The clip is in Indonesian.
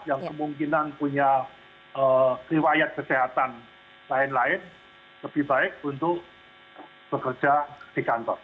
yang kemungkinan punya riwayat kesehatan lain lain lebih baik untuk bekerja di kantor